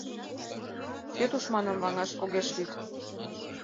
Кӧ тушманым ваҥаш огеш лӱд?